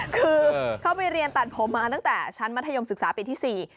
คือเขาไปเรียนตัดผมมาตั้งแต่ชั้นมัธยมศึกษาปีที่๔